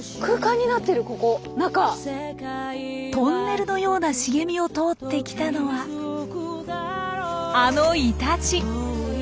トンネルのような茂みを通ってきたのはあのイタチ！